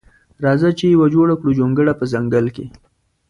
راخه چی یوه جوړه کړو جونګړه په ځنګل کی.